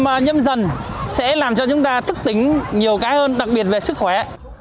và nhầm dần sẽ làm cho chúng ta thức tính nhiều cái hơn đặc biệt về sức khỏe